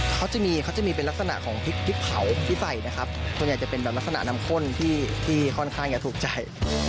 เขาจะมีเขาจะมีเป็นลักษณะของพริกเผาที่ใส่นะครับส่วนใหญ่จะเป็นแบบลักษณะน้ำข้นที่ค่อนข้างจะถูกใจ